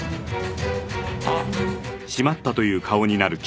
あっ。